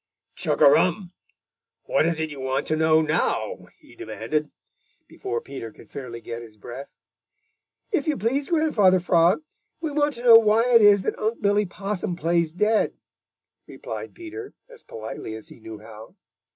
"Chug a rum! What is it you want to know now?" he demanded, before Peter could fairly get his breath. "If you please, Grandfather Frog, we want to know why it is that Unc' Billy Possum plays dead," replied Peter as politely as he knew how.